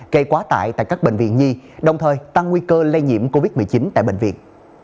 gây quá tải tại các bệnh viện nhi đồng thời tăng nguy cơ lây nhiễm covid một mươi chín tại bệnh viện